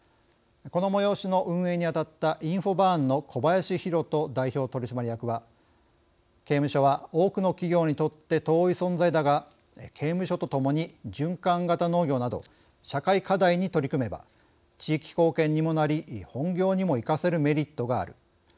この催しの運営にあたったインフォバーンの小林弘人代表取締役は「刑務所は多くの企業にとって遠い存在だが刑務所とともに循環型農業など社会課題に取り組めば地域貢献にもなり本業にも生かせるメリットがある。